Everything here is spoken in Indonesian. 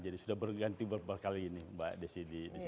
jadi sudah berganti beberapa kali ini mbak desi di sini